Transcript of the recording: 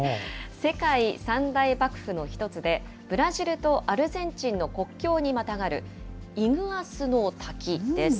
世界三大ばくふの１つで、ブラジルとアルゼンチンの国境にまたがるイグアスの滝です。